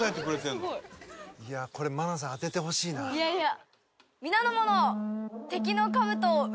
いやいや。